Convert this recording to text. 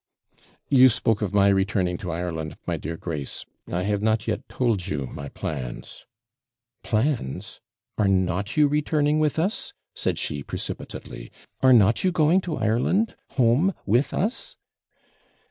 'You spoke of my returning to Ireland, my dear Grace. I have not yet told you my plans.' 'Plans! are not you returning with us?' said she, precipitately; 'are not you going to Ireland home with us?'